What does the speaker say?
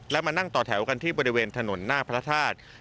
และมานั่งต่อแถวกันที่บริเวณถนนหน้าพระธาตุ